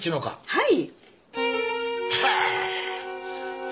はい。